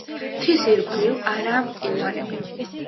მთის ირგვლივ არაა მყინვარები.